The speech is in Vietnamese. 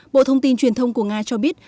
bộ thông tin truyền thông của nga cho biết